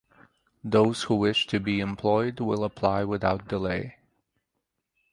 Those who wish to be employed will apply without delay.